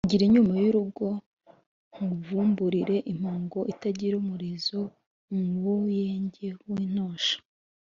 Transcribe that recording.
Igira inyuma y'urugo nkuvumburire impongo itagira umurizo-Umubuyenge w'intosho.